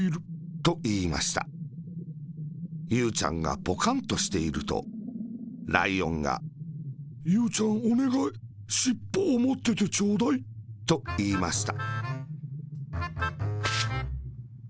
ゆうちゃんがポカンとしていると、ライオンが「ゆうちゃん、おねがいしっぽをもっててちょうだい。」といいました。